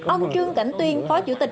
ông trương cảnh tuyên phó chủ tịch